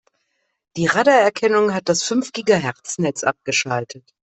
Die Radarerkennung hat das fünf Gigahertz-Netz abgeschaltet.